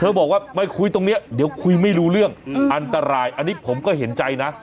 บอกว่ามาคุยตรงนี้เดี๋ยวคุยไม่รู้เรื่องอันตรายอันนี้ผมก็เห็นใจนะ